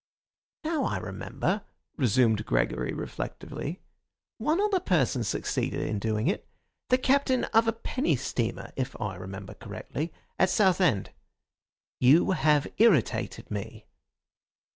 "Now I remember," resumed Gregory reflectively, "one other person succeeded in doing it. The captain of a penny steamer (if I remember correctly) at Southend. You have irritated me."